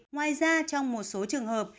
ngoài ra trong một số trường hợp